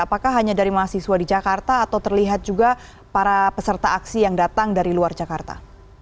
apakah hanya dari mahasiswa di jakarta atau terlihat juga para peserta aksi yang datang dari luar jakarta